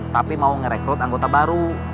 tapi mau ngerekrut anggota baru